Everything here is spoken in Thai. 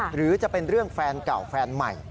หรือจะเป็นเรื่องแฟนเก่าแฟนใหม่